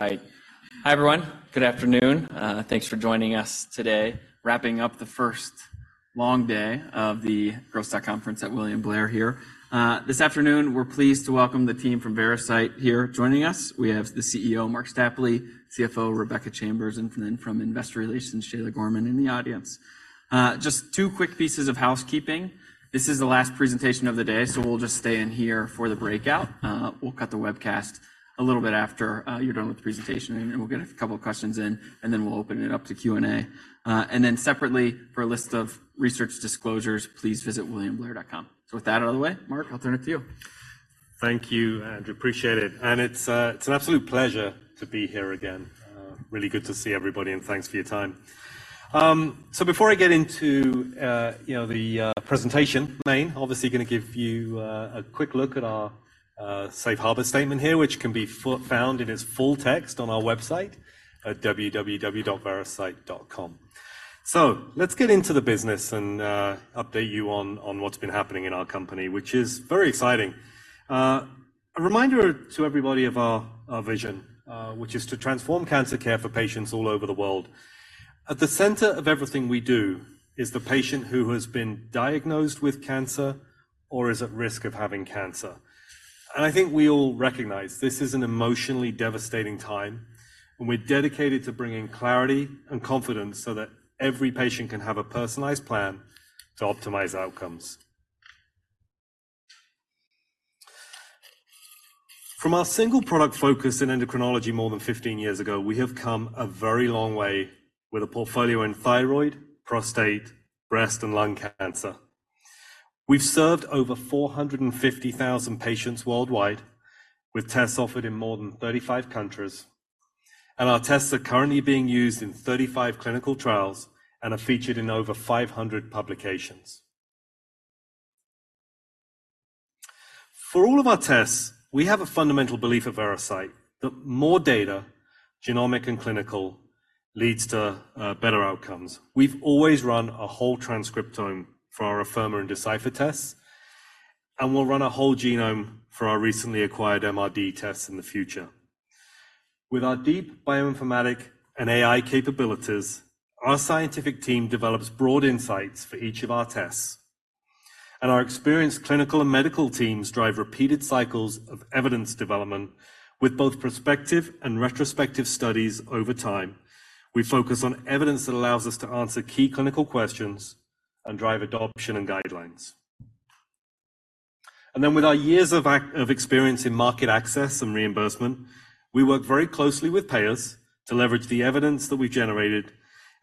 Hi. Hi, everyone. Good afternoon, thanks for joining us today, wrapping up the first long day of the Growth Stock Conference at William Blair here. This afternoon, we're pleased to welcome the team from Veracyte here. Joining us, we have the CEO, Marc Stapley, CFO, Rebecca Chambers, and then from Investor Relations, Shayla Gorman in the audience. Just two quick pieces of housekeeping. This is the last presentation of the day, so we'll just stay in here for the breakout. We'll cut the webcast a little bit after you're done with the presentation, and we'll get a couple of questions in, and then we'll open it up to Q&A. And then separately, for a list of research disclosures, please visit williamblair.com. So with that out of the way, Marc, I'll turn it to you. Thank you, and appreciate it. And it's, it's an absolute pleasure to be here again. Really good to see everybody, and thanks for your time. So before I get into, you know, the, presentation main, obviously going to give you, a quick look at our, safe harbor statement here, which can be found in its full text on our website at www.veracyte.com. So let's get into the business and, update you on, on what's been happening in our company, which is very exciting. A reminder to everybody of our, our vision, which is to transform cancer care for patients all over the world. At the center of everything we do is the patient who has been diagnosed with cancer or is at risk of having cancer. And I think we all recognize this is an emotionally devastating time, and we're dedicated to bringing clarity and confidence so that every patient can have a personalized plan to optimize outcomes. From our single product focus in endocrinology more than 15 years ago, we have come a very long way with a portfolio in thyroid, prostate, breast, and lung cancer. We've served over 450,000 patients worldwide, with tests offered in more than 35 countries, and our tests are currently being used in 35 clinical trials and are featured in over 500 publications. For all of our tests, we have a fundamental belief at Veracyte that more data, genomic and clinical, leads to better outcomes. We've always run a whole transcriptome for our Afirma and Decipher tests, and we'll run a whole genome for our recently acquired MRD tests in the future. With our deep bioinformatic and AI capabilities, our scientific team develops broad insights for each of our tests, and our experienced clinical and medical teams drive repeated cycles of evidence development with both prospective and retrospective studies over time. We focus on evidence that allows us to answer key clinical questions and drive adoption and guidelines. And then with our years of experience in market access and reimbursement, we work very closely with payers to leverage the evidence that we've generated,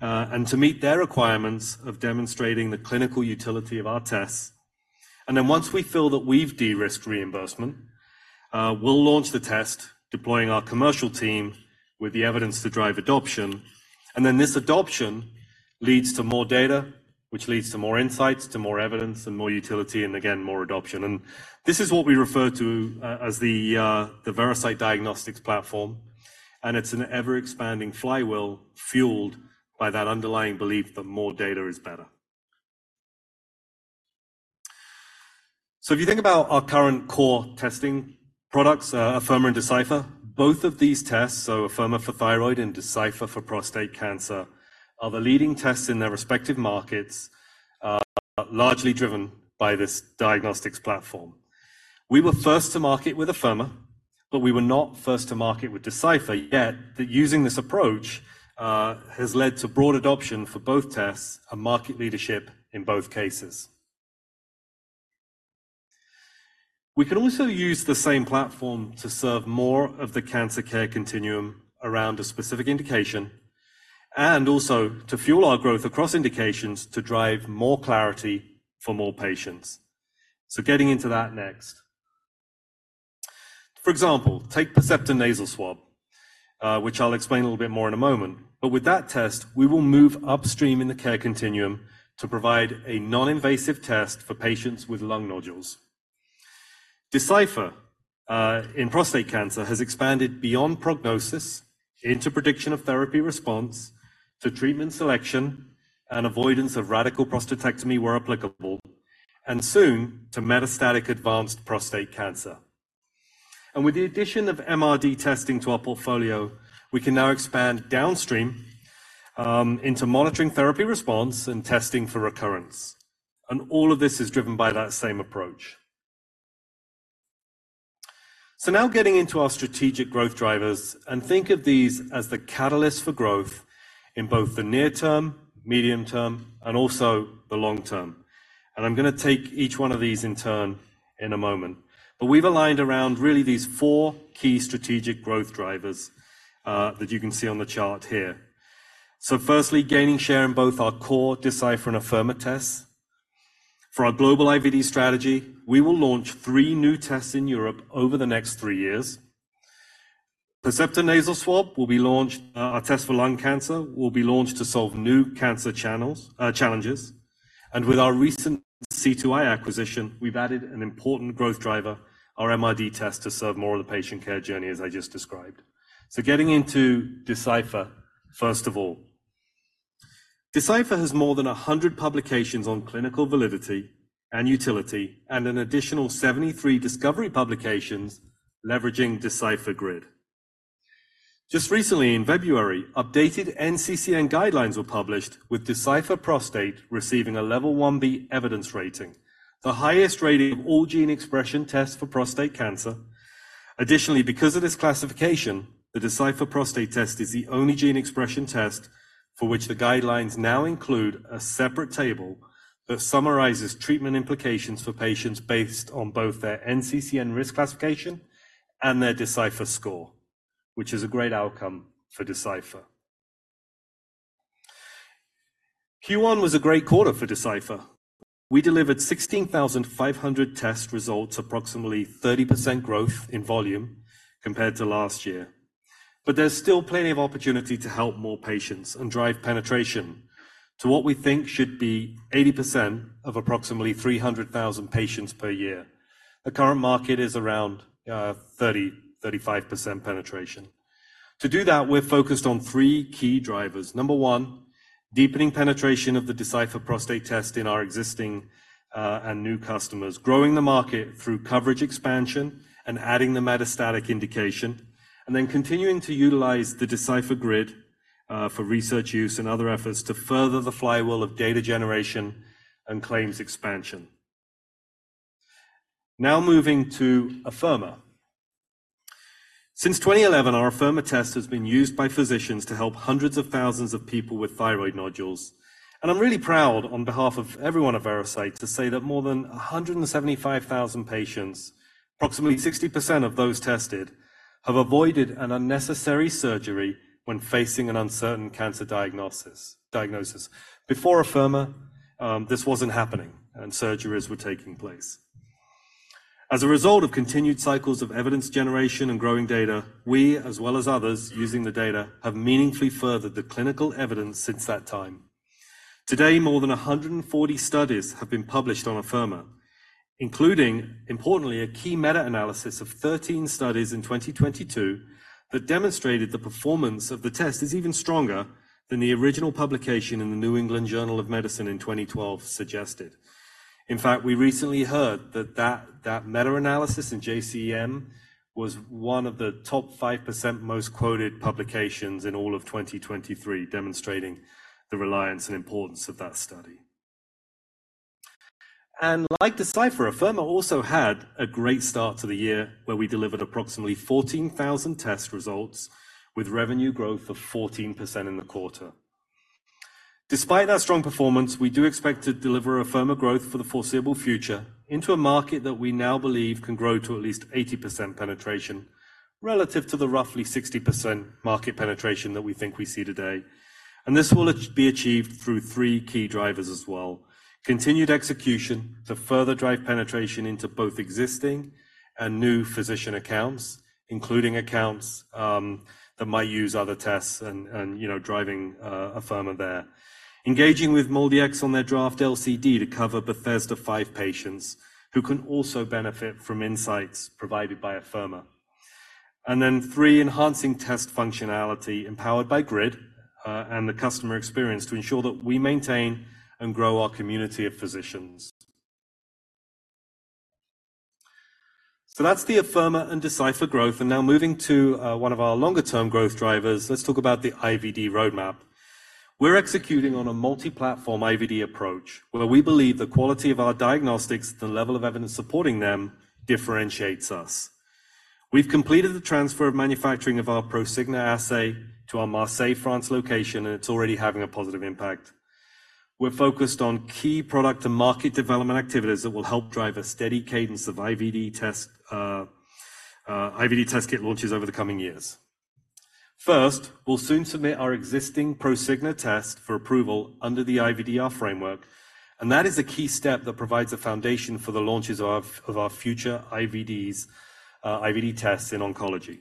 and to meet their requirements of demonstrating the clinical utility of our tests. And then once we feel that we've de-risked reimbursement, we'll launch the test, deploying our commercial team with the evidence to drive adoption, and then this adoption leads to more data, which leads to more insights, to more evidence, and more utility, and again, more adoption. This is what we refer to as the Veracyte diagnostics platform, and it's an ever-expanding flywheel fueled by that underlying belief that more data is better. If you think about our current core testing products, Afirma and Decipher, both of these tests, so Afirma for thyroid and Decipher for prostate cancer, are the leading tests in their respective markets, largely driven by this diagnostics platform. We were first to market with Afirma, but we were not first to market with Decipher, yet that using this approach has led to broad adoption for both tests and market leadership in both cases. We can also use the same platform to serve more of the cancer care continuum around a specific indication and also to fuel our growth across indications to drive more clarity for more patients. Getting into that next. For example, take Percepta Nasal Swab, which I'll explain a little bit more in a moment. But with that test, we will move upstream in the care continuum to provide a non-invasive test for patients with lung nodules. Decipher, in prostate cancer, has expanded beyond prognosis into prediction of therapy response to treatment selection and avoidance of radical prostatectomy where applicable, and soon to metastatic advanced prostate cancer. And with the addition of MRD testing to our portfolio, we can now expand downstream, into monitoring therapy response and testing for recurrence. And all of this is driven by that same approach. So now getting into our strategic growth drivers, and think of these as the catalyst for growth in both the near term, medium term, and also the long term. And I'm going to take each one of these in turn in a moment. But we've aligned around really these four key strategic growth drivers that you can see on the chart here. So firstly, gaining share in both our core Decipher and Afirma tests. For our global IVD strategy, we will launch three new tests in Europe over the next three years. Percepta Nasal Swab will be launched, our test for lung cancer, will be launched to solve new cancer channels challenges. And with our recent C2i acquisition, we've added an important growth driver, our MRD test, to serve more of the patient care journey, as I just described. So getting into Decipher, first of all. Decipher has more than 100 publications on clinical validity and utility, and an additional 73 discovery publications leveraging Decipher GRID. Just recently, in February, updated NCCN guidelines were published, with Decipher Prostate receiving a level 1B evidence rating, the highest rating of all gene expression tests for prostate cancer. Additionally, because of this classification, the Decipher Prostate test is the only gene expression test for which the guidelines now include a separate table that summarizes treatment implications for patients based on both their NCCN risk classification and their Decipher score, which is a great outcome for Decipher. Q1 was a great quarter for Decipher. We delivered 16,500 test results, approximately 30% growth in volume compared to last year. But there's still plenty of opportunity to help more patients and drive penetration to what we think should be 80% of approximately 300,000 patients per year. The current market is around 30%-35% penetration. To do that, we're focused on three key drivers. Number one, deepening penetration of the Decipher Prostate test in our existing and new customers. Growing the market through coverage expansion and adding the metastatic indication, and then continuing to utilize the Decipher GRID for research use and other efforts to further the flywheel of data generation and claims expansion. Now moving to Afirma. Since 2011, our Afirma test has been used by physicians to help hundreds of thousands of people with thyroid nodules. And I'm really proud, on behalf of everyone at Veracyte, to say that more than 175,000 patients, approximately 60% of those tested, have avoided an unnecessary surgery when facing an uncertain cancer diagnosis. Before Afirma, this wasn't happening and surgeries were taking place. As a result of continued cycles of evidence generation and growing data, we, as well as others using the data, have meaningfully furthered the clinical evidence since that time. Today, more than 140 studies have been published on Afirma, including, importantly, a key meta-analysis of 13 studies in 2022 that demonstrated the performance of the test is even stronger than the original publication in the New England Journal of Medicine in 2012 suggested. In fact, we recently heard that meta-analysis in JCEM was one of the top 5% most quoted publications in all of 2023, demonstrating the reliance and importance of that study. And like Decipher, Afirma also had a great start to the year, where we delivered approximately 14,000 test results with revenue growth of 14% in the quarter. Despite that strong performance, we do expect to deliver Afirma growth for the foreseeable future into a market that we now believe can grow to at least 80% penetration, relative to the roughly 60% market penetration that we think we see today. And this will be achieved through three key drivers as well. Continued execution to further drive penetration into both existing and new physician accounts, including accounts that might use other tests and, you know, driving Afirma there. Engaging with MolDX on their draft LCD to cover Bethesda five patients, who can also benefit from insights provided by Afirma. And then three, enhancing test functionality empowered by Grid and the customer experience to ensure that we maintain and grow our community of physicians. So that's the Afirma and Decipher growth. Now moving to one of our longer-term growth drivers, let's talk about the IVD roadmap. We're executing on a multi-platform IVD approach, where we believe the quality of our diagnostics, the level of evidence supporting them, differentiates us. We've completed the transfer of manufacturing of our Prosigna assay to our Marseille, France, location, and it's already having a positive impact. We're focused on key product and market development activities that will help drive a steady cadence of IVD test IVD test kit launches over the coming years. First, we'll soon submit our existing Prosigna test for approval under the IVDR framework, and that is a key step that provides a foundation for the launches of our future IVDs IVD tests in oncology.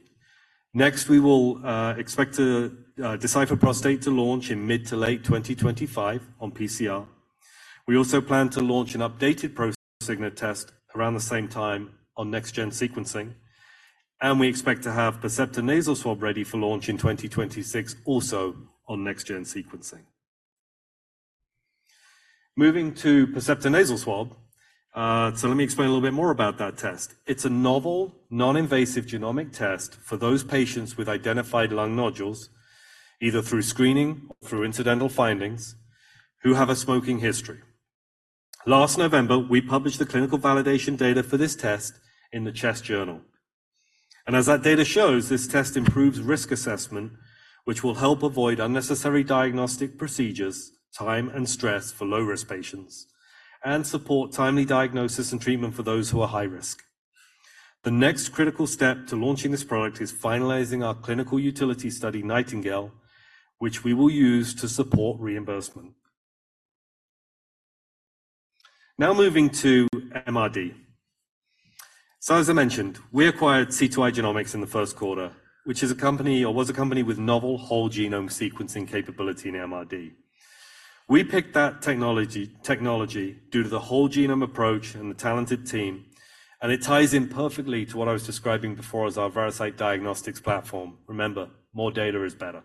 Next, we will expect to Decipher Prostate to launch in mid- to late 2025 on PCR. We also plan to launch an updated Prosigna test around the same time on next-gen sequencing, and we expect to have Percepta Nasal Swab ready for launch in 2026, also on next-gen sequencing. Moving to Percepta Nasal Swab. So let me explain a little bit more about that test. It's a novel, non-invasive genomic test for those patients with identified lung nodules, either through screening or through incidental findings, who have a smoking history. Last November, we published the clinical validation data for this test in the CHEST journal. As that data shows, this test improves risk assessment, which will help avoid unnecessary diagnostic procedures, time, and stress for low-risk patients, and support timely diagnosis and treatment for those who are high risk. The next critical step to launching this product is finalizing our clinical utility study, Nightingale, which we will use to support reimbursement. Now moving to MRD. So as I mentioned, we acquired C2i Genomics in the first quarter, which is a company or was a company with novel whole genome sequencing capability in MRD. We picked that technology due to the whole genome approach and the talented team, and it ties in perfectly to what I was describing before as our Veracyte diagnostics platform. Remember, more data is better....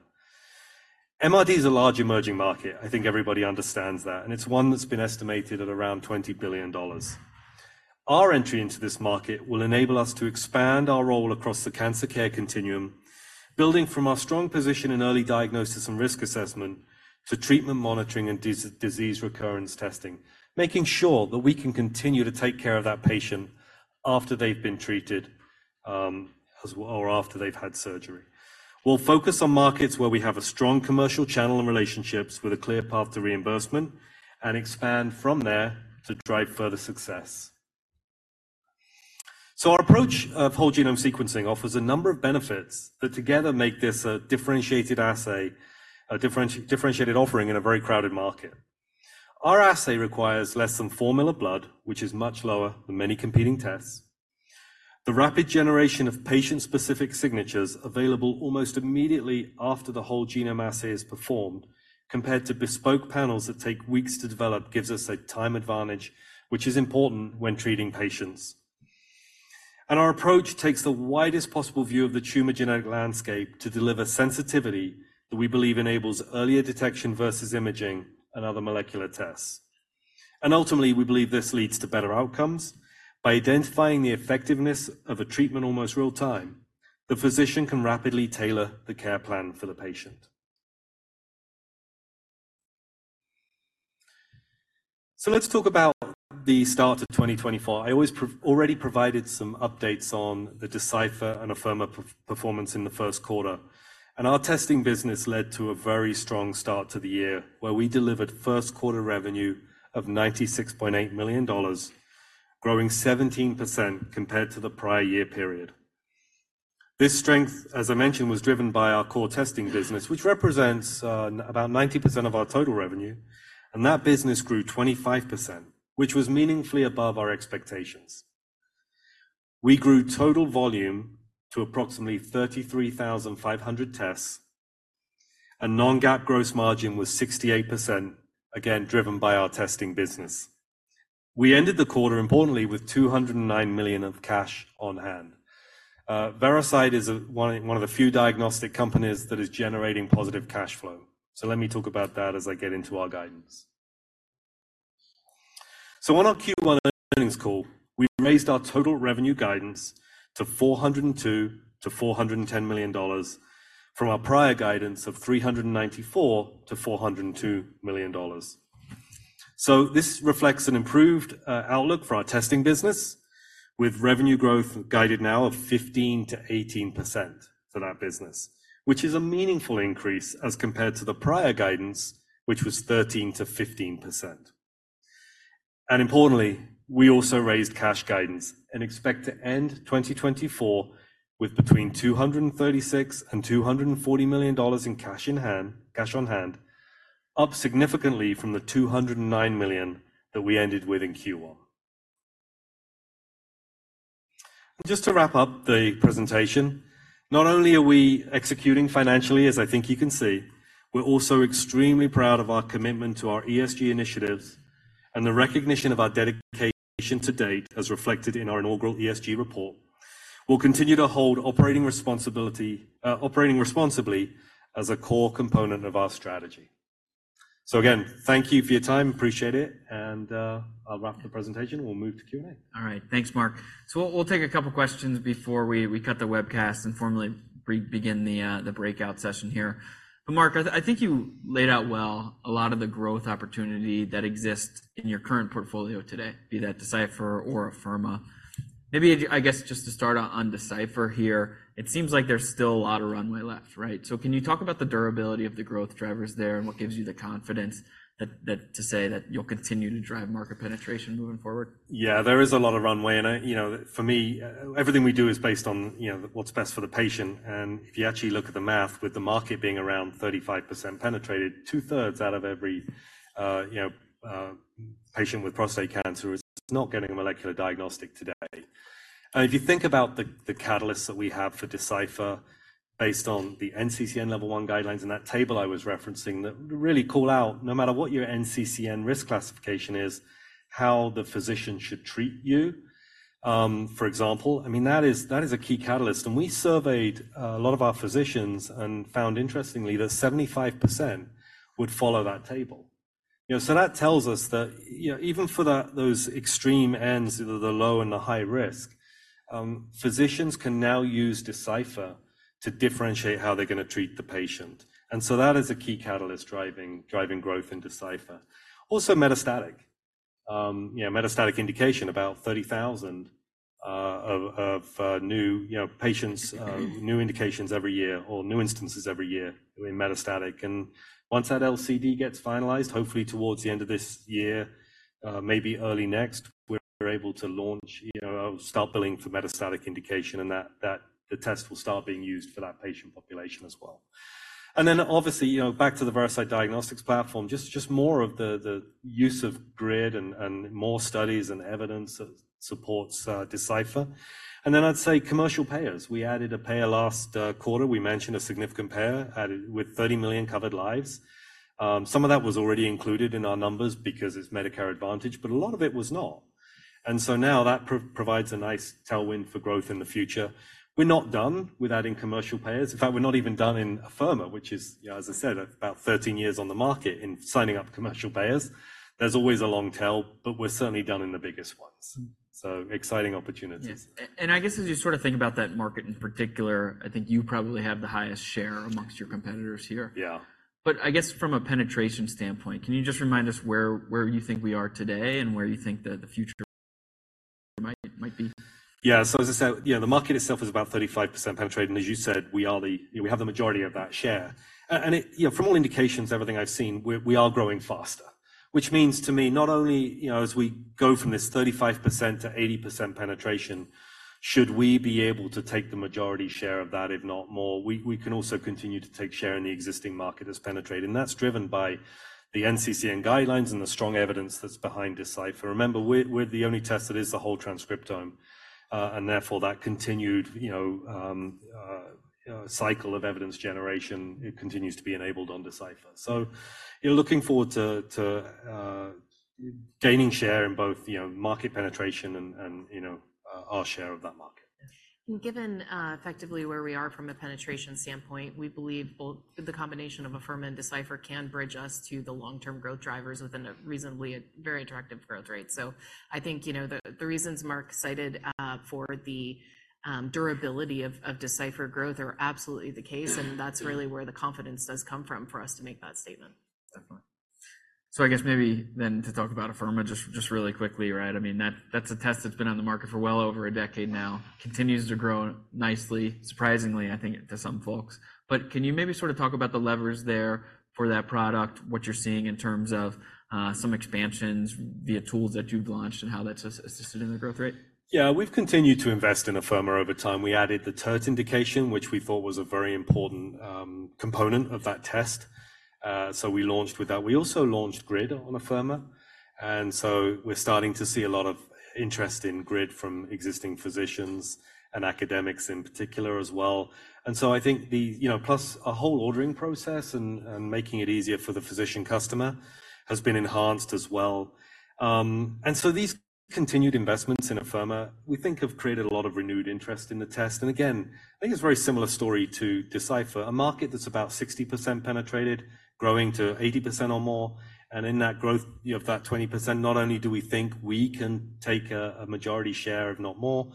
MRD is a large emerging market. I think everybody understands that, and it's one that's been estimated at around $20 billion. Our entry into this market will enable us to expand our role across the cancer care continuum, building from our strong position in early diagnosis and risk assessment to treatment monitoring and disease recurrence testing, making sure that we can continue to take care of that patient after they've been treated, as well, or after they've had surgery. We'll focus on markets where we have a strong commercial channel and relationships with a clear path to reimbursement and expand from there to drive further success. So our approach of whole genome sequencing offers a number of benefits that together make this a differentiated assay, a differentiated offering in a very crowded market. Our assay requires less than 4 ml of blood, which is much lower than many competing tests. The rapid generation of patient-specific signatures available almost immediately after the whole genome assay is performed, compared to bespoke panels that take weeks to develop, gives us a time advantage, which is important when treating patients. And our approach takes the widest possible view of the tumor genetic landscape to deliver sensitivity that we believe enables earlier detection versus imaging and other molecular tests. And ultimately, we believe this leads to better outcomes. By identifying the effectiveness of a treatment almost real-time, the physician can rapidly tailor the care plan for the patient. So let's talk about the start of 2024. I already provided some updates on the Decipher and Afirma performance in the first quarter, and our testing business led to a very strong start to the year, where we delivered first quarter revenue of $96.8 million, growing 17% compared to the prior year period. This strength, as I mentioned, was driven by our core testing business, which represents about 90% of our total revenue, and that business grew 25%, which was meaningfully above our expectations. We grew total volume to approximately 33,500 tests, and non-GAAP gross margin was 68%, again, driven by our testing business. We ended the quarter, importantly, with $209 million of cash on hand. Veracyte is one of, one of the few diagnostic companies that is generating positive cash flow. So let me talk about that as I get into our guidance. So on our Q1 earnings call, we raised our total revenue guidance to $402 million-$410 million from our prior guidance of $394 million-$402 million. So this reflects an improved outlook for our testing business, with revenue growth guided now of 15%-18% for that business, which is a meaningful increase as compared to the prior guidance, which was 13%-15%. Importantly, we also raised cash guidance and expect to end 2024 with between $236 million and $240 million in cash in hand - cash on hand, up significantly from the $209 million that we ended with in Q1. Just to wrap up the presentation, not only are we executing financially, as I think you can see, we're also extremely proud of our commitment to our ESG initiatives and the recognition of our dedication to date, as reflected in our inaugural ESG report. We'll continue to hold operating responsibility - operating responsibly as a core component of our strategy. So again, thank you for your time. Appreciate it, and I'll wrap the presentation. We'll move to Q&A. All right. Thanks, Marc. So we'll take a couple questions before we cut the webcast and formally re-begin the breakout session here. But Marc, I think you laid out well a lot of the growth opportunity that exists in your current portfolio today, be that Decipher or Afirma. Maybe if you... I guess just to start on Decipher here, it seems like there's still a lot of runway left, right? So can you talk about the durability of the growth drivers there and what gives you the confidence that to say that you'll continue to drive market penetration moving forward? Yeah, there is a lot of runway, and I, you know, for me, everything we do is based on, you know, what's best for the patient. And if you actually look at the math, with the market being around 35% penetrated, 2/3 out of every, you know, patient with prostate cancer is not getting a molecular diagnostic today. And if you think about the catalysts that we have for Decipher, based on the NCCN level one guidelines in that table I was referencing, that really call out, no matter what your NCCN risk classification is, how the physician should treat you. For example, I mean, that is a key catalyst, and we surveyed a lot of our physicians and found interestingly that 75% would follow that table. You know, so that tells us that, you know, even for those extreme ends, the low and the high risk, physicians can now use Decipher to differentiate how they're going to treat the patient, and so that is a key catalyst driving growth in Decipher. Also metastatic, you know, metastatic indication, about 30,000 of new patients new indications every year or new instances every year in metastatic. And once that LCD gets finalized, hopefully towards the end of this year, maybe early next, we're able to launch, you know, or start billing for metastatic indication, and that the test will start being used for that patient population as well. Then obviously, you know, back to the Veracyte diagnostics platform, just more of the use of GRID and more studies and evidence that supports Decipher. Then I'd say commercial payers. We added a payer last quarter. We mentioned a significant payer, added with 30 million covered lives. Some of that was already included in our numbers because it's Medicare Advantage, but a lot of it was not. And so now that provides a nice tailwind for growth in the future. We're not done with adding commercial payers. In fact, we're not even done in Afirma, which is, you know, as I said, about 13 years on the market in signing up commercial payers. There's always a long tail, but we're certainly done in the biggest ones. So exciting opportunities. Yes. And I guess as you sort of think about that market in particular, I think you probably have the highest share among your competitors here. Yeah. But I guess from a penetration standpoint, can you just remind us where you think we are today and where you think the future might be? Yeah. So as I said, yeah, the market itself is about 35% penetration. As you said, we are the we have the majority of that share. You know, from all indications, everything I've seen, we, we are growing faster, which means to me, not only, you know, as we go from this 35% to 80% penetration, should we be able to take the majority share of that, if not more, we, we can also continue to take share in the existing market as penetrated. And that's driven by the NCCN guidelines and the strong evidence that's behind Decipher. Remember, we're, we're the only test that is the whole transcriptome, and therefore, that continued, you know, cycle of evidence generation, it continues to be enabled on Decipher. So you're looking forward to gaining share in both, you know, market penetration and our share of that market. And given effectively where we are from a penetration standpoint, we believe both the combination of Afirma and Decipher can bridge us to the long-term growth drivers within a reasonably, very attractive growth rate. So I think, you know, the reasons Marc cited for the durability of Decipher growth are absolutely the case, and that's really where the confidence does come from for us to make that statement. Definitely. So I guess maybe then to talk about Afirma, just, just really quickly, right? I mean, that, that's a test that's been on the market for well over a decade now, continues to grow nicely, surprisingly, I think, to some folks. But can you maybe sort of talk about the levers there for that product, what you're seeing in terms of some expansions via tools that you've launched, and how that's assisted in the growth rate? Yeah, we've continued to invest in Afirma over time. We added the TERT indication, which we thought was a very important component of that test. So we launched with that. We also launched GRID on Afirma, and so we're starting to see a lot of interest in GRID from existing physicians and academics in particular as well. And so I think the, you know, plus a whole ordering process and making it easier for the physician customer has been enhanced as well. And so these continued investments in Afirma, we think have created a lot of renewed interest in the test. And again, I think it's a very similar story to Decipher, a market that's about 60% penetrated, growing to 80% or more, and in that growth, you know, of that 20%, not only do we think we can take a majority share, if not more,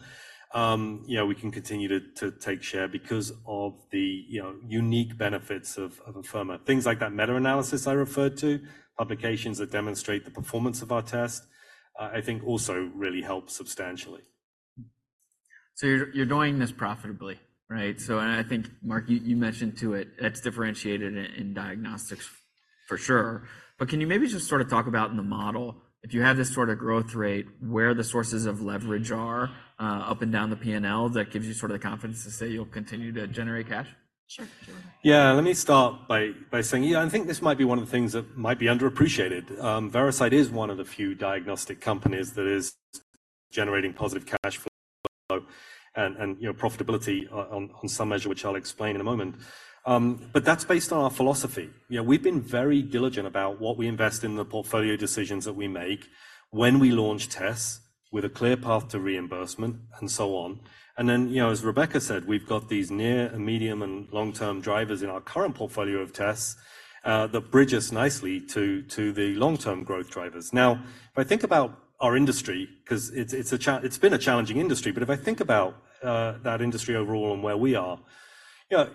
you know, we can continue to take share because of the unique benefits of Afirma. Things like that meta-analysis I referred to, publications that demonstrate the performance of our test, I think also really help substantially. So you're doing this profitably, right? So and I think, Marc, you mentioned to it, that's differentiated in diagnostics for sure. But can you maybe just sort of talk about in the model, if you have this sort of growth rate, where the sources of leverage are up and down the P&L, that gives you sort of the confidence to say you'll continue to generate cash? Sure. Yeah, let me start by, by saying, yeah, I think this might be one of the things that might be underappreciated. Veracyte is one of the few diagnostic companies that is generating positive cash flow, and, and, you know, profitability on, on some measure, which I'll explain in a moment. But that's based on our philosophy. You know, we've been very diligent about what we invest in the portfolio decisions that we make when we launch tests with a clear path to reimbursement and so on. And then, you know, as Rebecca said, we've got these near and medium and long-term drivers in our current portfolio of tests, that bridge us nicely to, to the long-term growth drivers. Now, if I think about our industry, 'cause it's been a challenging industry, but if I think about that industry overall and where we are, you know,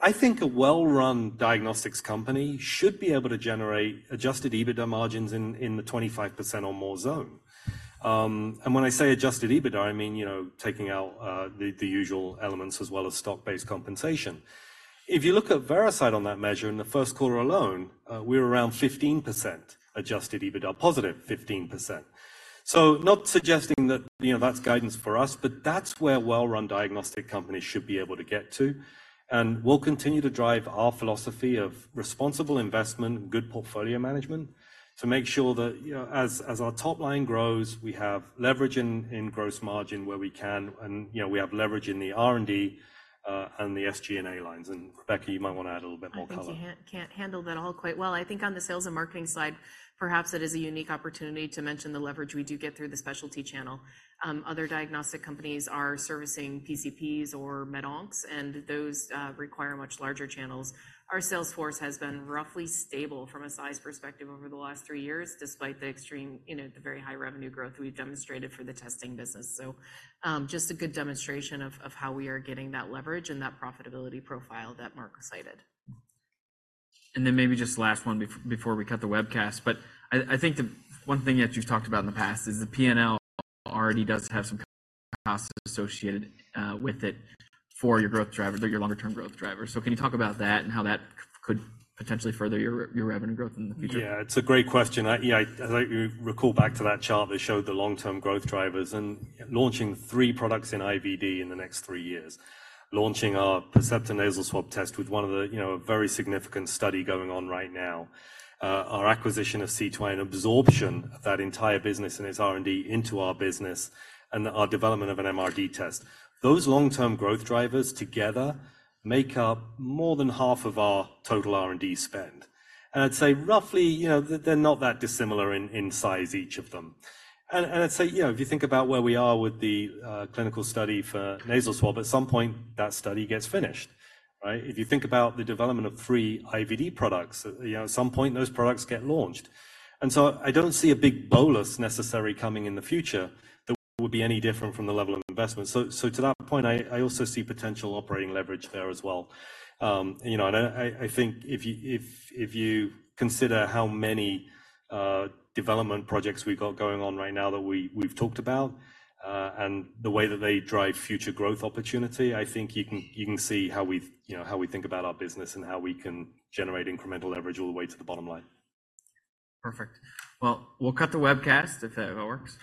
I think a well-run diagnostics company should be able to generate Adjusted EBITDA margins in the 25% or more zone. And when I say Adjusted EBITDA, I mean, you know, taking out the usual elements as well as stock-based compensation. If you look at Veracyte on that measure, in the first quarter alone, we're around 15% Adjusted EBITDA positive, 15%. So not suggesting that, you know, that's guidance for us, but that's where well-run diagnostic companies should be able to get to. We'll continue to drive our philosophy of responsible investment and good portfolio management to make sure that, you know, as our top line grows, we have leverage in gross margin where we can, and, you know, we have leverage in the R&D and the SG&A lines. Rebecca, you might want to add a little bit more color. I think you can handle that all quite well. I think on the sales and marketing side, perhaps it is a unique opportunity to mention the leverage we do get through the specialty channel. Other diagnostic companies are servicing PCPs or med oncs, and those require much larger channels. Our sales force has been roughly stable from a size perspective over the last three years, despite the extreme, you know, the very high revenue growth we've demonstrated for the testing business. Just a good demonstration of how we are getting that leverage and that profitability profile that Marc cited. And then maybe just last one before we cut the webcast, but I think the one thing that you've talked about in the past is the P&L already does have some costs associated with it for your growth driver, your longer-term growth driver. So can you talk about that and how that could potentially further your revenue growth in the future? Yeah, it's a great question. I, yeah, as I recall back to that chart that showed the long-term growth drivers and launching three products in IVD in the next three years, launching our Percepta Nasal Swab test with one of the, you know, a very significant study going on right now, our acquisition of C2i and absorption of that entire business and its R&D into our business and our development of an MRD test. Those long-term growth drivers together make up more than half of our total R&D spend. And I'd say roughly, you know, they're, they're not that dissimilar in, in size, each of them. And, and I'd say, you know, if you think about where we are with the clinical study for Nasal Swab, at some point, that study gets finished, right? If you think about the development of three IVD products, you know, at some point, those products get launched. And so I don't see a big bolus necessarily coming in the future that would be any different from the level of investment. So to that point, I also see potential operating leverage there as well. You know, and I think if you consider how many development projects we've got going on right now that we've talked about, and the way that they drive future growth opportunity, I think you can see how we, you know, how we think about our business and how we can generate incremental leverage all the way to the bottom line. Perfect. Well, we'll cut the webcast if that works.